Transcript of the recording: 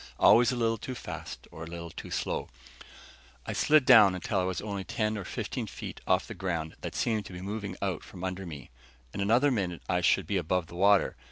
Always a little too fast or too slow. I slid down until I was only ten or fifteen feet off the ground that seemed to be moving out from under me. In another minute I should be above the water.